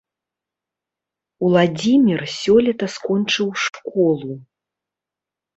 Уладзімір сёлета скончыў школу.